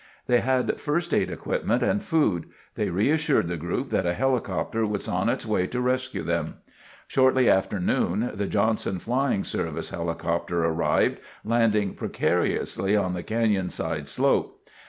They had first aid equipment and food. They reassured the group that a helicopter was on its way to rescue them. Shortly after noon, the Johnson Flying Service helicopter arrived, landing precariously on the canyon side slope.